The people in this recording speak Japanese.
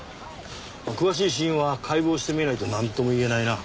詳しい死因は解剖してみないとなんとも言えないな。